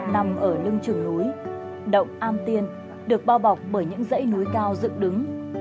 nằm ở lưng trường núi động am tiên được bao bọc bởi những dãy núi cao dựng đứng